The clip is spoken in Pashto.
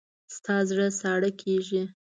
ستا زړه ساړه کېږي.